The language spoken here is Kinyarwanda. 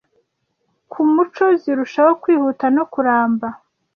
ku muco zirushaho kwihuta no kuramba